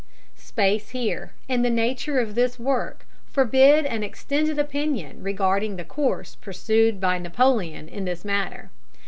Space here, and the nature of this work, forbid an extended opinion regarding the course pursued by Napoleon in this matter.